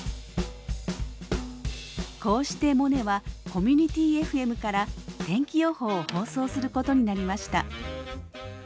こうしてモネはコミュニティＦＭから天気予報を放送することになりました。